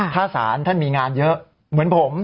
ถ้าศาลท่านมีงานเยอะเหมือนผม